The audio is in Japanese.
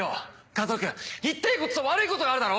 和男君言っていいことと悪いことがあるだろ！